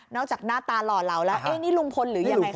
จากหน้าตาหล่อเหลาแล้วเอ๊ะนี่ลุงพลหรือยังไงคะ